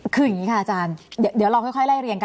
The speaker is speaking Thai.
คืออย่างนี้ค่ะอาจารย์เดี๋ยวเราค่อยไล่เรียงกัน